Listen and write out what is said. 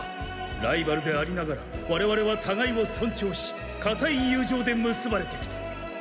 ライバルでありながらワレワレはたがいを尊重し固い友情で結ばれてきた。